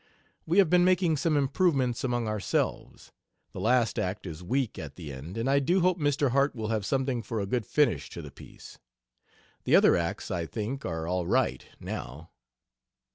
We have been making some improvements among ourselves. The last act is weak at the end, and I do hope Mr. Harte will have something for a good finish to the piece. The other acts I think are all right, now.